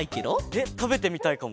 えったべてみたいかも。